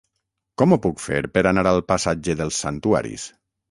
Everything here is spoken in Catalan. Com ho puc fer per anar al passatge dels Santuaris?